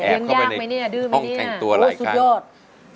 แพลร์เข้าไปในห้องแข่งตัวหลายครั้ง